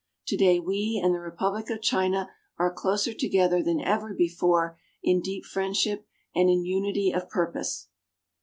Today we and the Republic of China are closer together than ever before in deep friendship and in unity of purpose.